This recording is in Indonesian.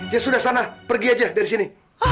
ya sudah sana pergi aja dari sini